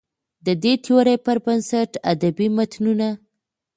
د دې تيورۍ پر بنسټ ادبي متونو ته